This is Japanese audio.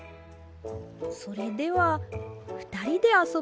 それではふたりであそびますか？